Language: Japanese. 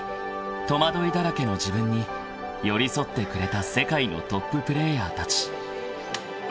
戸惑いだらけの自分に寄り添ってくれた世界のトッププレーヤーたち］